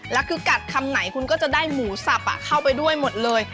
แล้วคือกัดคำไหนคุณก็จะได้หมูสับเข้าไปด้วยหมดเลย